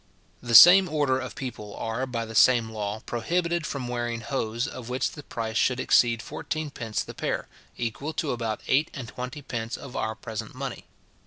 The same order of people are, by the same law, prohibited from wearing hose, of which the price should exceed fourteen pence the pair, equal to about eight and twenty pence of our present money.